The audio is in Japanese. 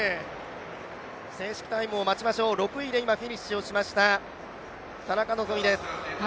正式タイムを待ちましょう、６位で今フィニッシュをしました田中希実です。